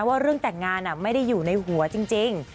ว่าเรื่องแต่งงานไม่ได้อยู่ในหัวจริง